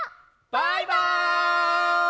バイバイ！